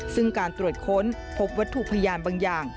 ซึ่งการตรวจค้นพบวัตถุพยานบางอย่าง